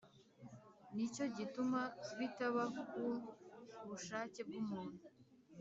Ni cyo gituma bitaba ku bushake bw’umuntu